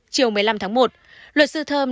chiều một mươi năm tháng một luật sư thơm